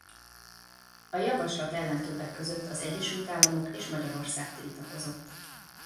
A javaslat ellen többek között az Egyesült Államok és Magyarország tiltakozott.